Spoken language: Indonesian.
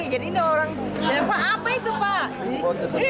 jadi ini orang apa itu pak